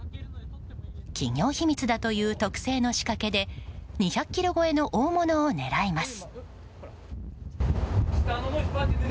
企業秘密だという特製の仕掛けで２００ｋｇ超えの大物を狙います。